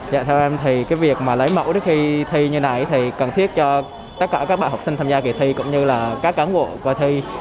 dạ theo em thì cái việc mà lấy mẫu đưa thi như này thì cần thiết cho tất cả các bài học sinh tham gia kỳ thi cũng như là các cán cụ của thi